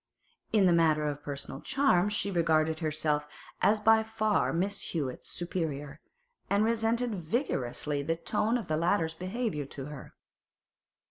In the matter of personal charms she regarded herself as by far Miss Hewett's superior, and resented vigorously the tone of the latter's behaviour to her.